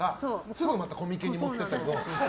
すぐまたコミケに持っていった。